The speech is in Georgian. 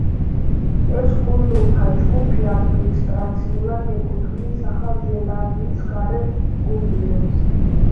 ეს კუნძულთა ჯგუფი ადმინისტრაციულად ეკუთვნის ახალი ზელანდიის გარე კუნძულებს.